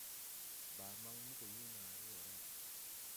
Baa maŋ mo gɔ yoo naare wɔ ra.